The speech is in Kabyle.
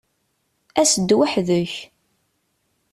As-d weḥd-k!